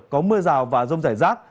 có mưa rào và rông rải rác